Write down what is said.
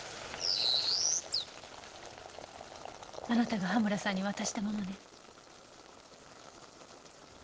あなたが羽村さんに渡したものね？